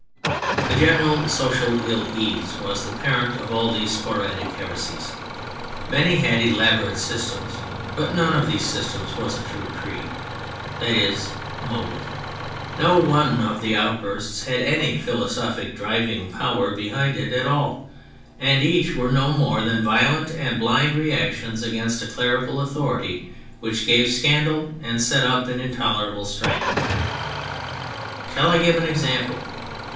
A general social ill ease was the parent of all these sporadic heresies. Many had elaborate systems, but none of these systems was a true creed, that is, a motive. No one of the outbursts had any philosophic driving power behind it; all and each were no more than violent and blind reactions against a clerical authority which gave scandal and set up an intolerable strain. Shall I give an example?